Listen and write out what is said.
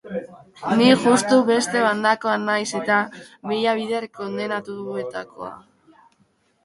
Ni justu beste bandakoa naiz-eta, mila bider kondenatuetakoa.